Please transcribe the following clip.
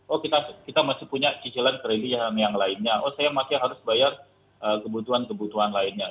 oh kita masih punya cicilan triliun yang lainnya oh saya masih harus bayar kebutuhan kebutuhan lainnya